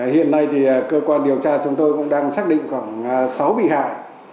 hiện nay cơ quan điều tra chúng tôi cũng đang xác định khoảng sáu bị hại